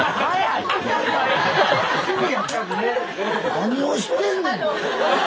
何をしてんねん！